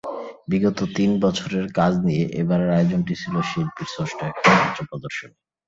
বিগত তিন বছরের কাজ নিয়ে এবারের আয়োজনটি ছিল শিল্পীর ষষ্ঠ একক চিত্র প্রদর্শনী।